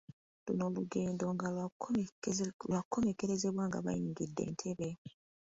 Luno olugeendo nga lwakukomekkerezebwa nga bayingidde e Ntebe.